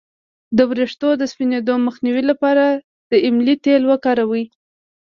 د ویښتو د سپینیدو مخنیوي لپاره د املې تېل وکاروئ